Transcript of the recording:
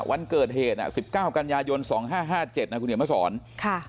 วันเกิดเหตุอ่ะสิบเก้ากันยายนสองห้าห้าเจ็ดนะคุณเหนียวมาสอนค่ะ